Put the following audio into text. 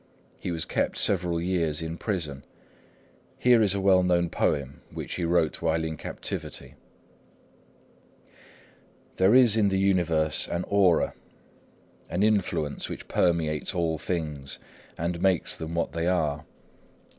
He was kept several years in prison. Here is a well known poem which he wrote while in captivity:— "There is in the universe an Aura, an influence which permeates all things, and makes them what they are.